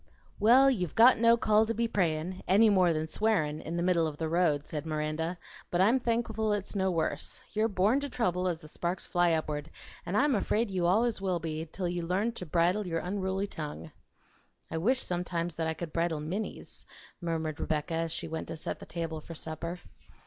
"Well, you've got no call to be prayin', any more than swearin', in the middle of the road," said Miranda; "but I'm thankful it's no worse. You're born to trouble as the sparks fly upward, an' I'm afraid you allers will be till you learn to bridle your unruly tongue." "I wish sometimes that I could bridle Minnie's," murmured Rebecca, as she went to set the table for supper.